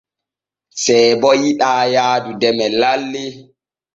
Seebo yiɗaa yaadu deme lalle.